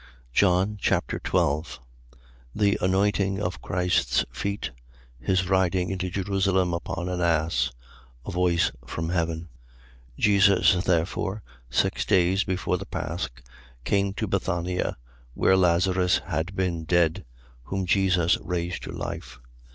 John Chapter 12 The anointing of Christ's feet. His riding into Jerusalem upon an ass. A voice from heaven. 12:1. Jesus therefore, six days before the pasch, came to Bethania, where Lazarus had been dead, whom Jesus raised to life.